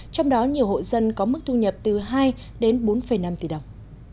trong đó nhiều hộ dân có mức thu nhập từ hai đến bốn năm tỷ đồng